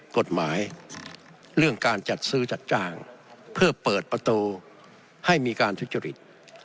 กฎหมายเรื่องการจัดซื้อจัดจ้างเพื่อเปิดประตูให้มีการทุจริต